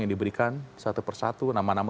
yang diberikan satu persatu nama nama